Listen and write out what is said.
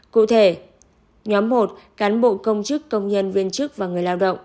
cụ thể nhóm một cán bộ công chức công nhân viên chức và người lao động